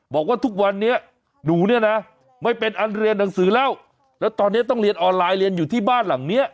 บอกว่าทุกวันนี้หนูเนี่ยนะไม่เป็นอันเรียนหนังสือแล้วแล้วตอนนี้ต้องเรียนออนไลน์เรียนอยู่ที่บ้านหลังเนี้ย